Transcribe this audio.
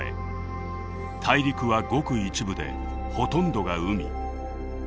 大陸はごく一部でほとんどが海。